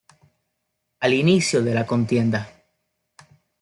Al inicio de la contienda.